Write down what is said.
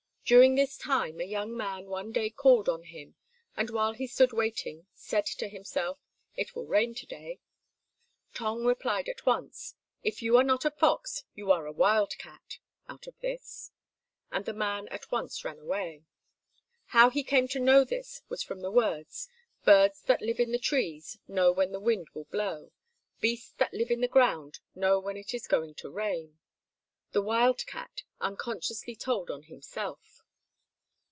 During this time a young man one day called on him, and while he stood waiting said to himself, "It will rain to day." Tong replied at once, "If you are not a fox you are a wild cat out of this," and the man at once ran away. How he came to know this was from the words, "Birds that live in the trees know when the wind will blow; beasts that live in the ground know when it is going to rain." The wild cat unconsciously told on himself.